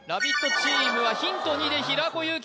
チームはヒント２で平子祐希